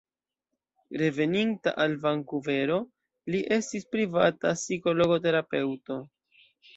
Reveninta al Vankuvero li estis privata psikologo-terapeuto.